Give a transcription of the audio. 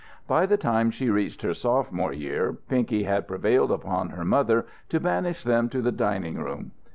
By the time she reached her sophomore year, Pinky had prevailed upon her mother to banish them to the dining room.